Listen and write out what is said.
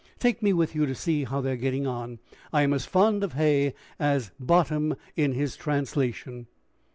"Take me with you to see how they are getting on. I am as fond of hay as Bottom in his translation."